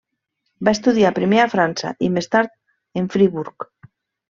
Va estudiar primer a França, i més tard en Friburg.